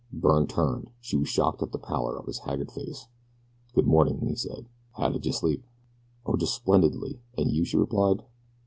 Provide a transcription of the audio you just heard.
Byrne turned. She was shocked at the pallor of his haggard face. "Good morning," he said. "How did yeh sleep?" "Oh, just splendidly, and you?" she replied.